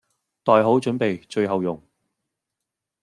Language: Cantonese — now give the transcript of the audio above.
袋好準備最後用。